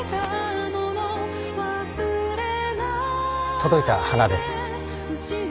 届いた花です。